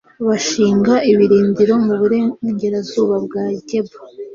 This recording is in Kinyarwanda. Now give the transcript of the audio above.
bashinga ibirindiro mu burengerazuba bwa geba